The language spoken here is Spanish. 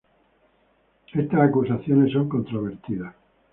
Estas acusaciones son controvertidas.